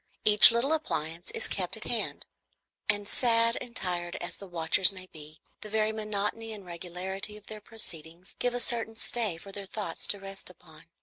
Each little appliance is kept at hand; and sad and tired as the watchers may be, the very monotony and regularity of their proceedings give a certain stay for their thoughts to rest upon.